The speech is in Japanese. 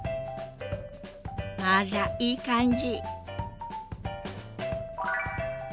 あらいい感じ。